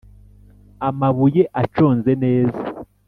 Amabuye aconze neza.